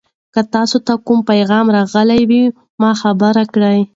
که تاسي ته کوم پیغام راغی ما خبر کړئ.